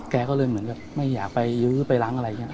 แกก็เลยเหมือนกับไม่อยากไปยื้อไปล้างอะไรอย่างนี้